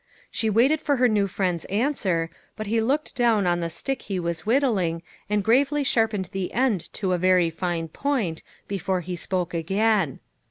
She waited for her new friend's answer, but he looked down on the stick he was whit tling and gravely sharpened the end to a very fine point, before he spoke again.